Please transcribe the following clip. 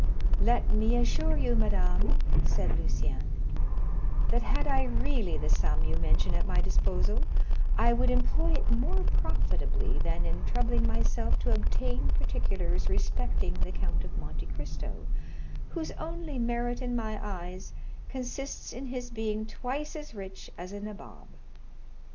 "Let me assure you, madame," said Lucien, "that had I really the sum you mention at my disposal, I would employ it more profitably than in troubling myself to obtain particulars respecting the Count of Monte Cristo, whose only merit in my eyes consists in his being twice as rich as a nabob.